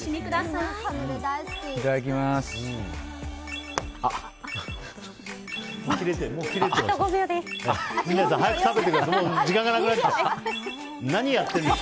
いただきます。